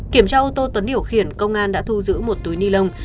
kiểm tra ô tô tuấn điều khiển công an đã thu giữ một túi ni lông